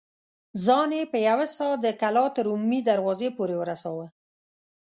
ځان يې په يوه سا د کلا تر عمومي دروازې پورې ورساوه.